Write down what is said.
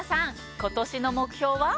今年の目標は？